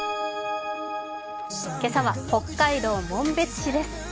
今朝は北海道紋別市です。